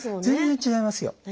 全然違いますよ。